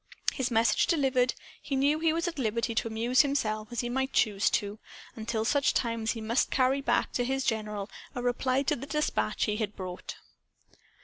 His message delivered, he knew he was at liberty to amuse himself as he might choose to, until such time as he must carry back to his general a reply to the dispatch he had brought.